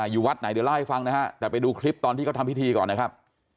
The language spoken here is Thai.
อยู่วัดไหนเดี๋ยวเล่าให้ฟังนะฮะแต่ไปดูคลิปตอนที่เขาทำพิธีก่อนนะครับ